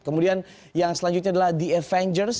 kemudian yang selanjutnya adalah the avengers